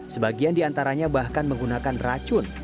sebagian di antaranya bahkan menggunakan racun